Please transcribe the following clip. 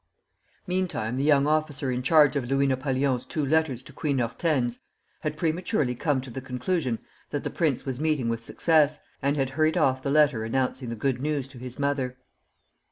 Meantime the young officer in charge of Louis Napoleon's two letters to Queen Hortense had prematurely come to the conclusion that the prince was meeting with success, and had hurried off the letter announcing the good news to his mother.